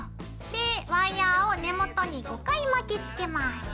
でワイヤーを根元に５回巻きつけます。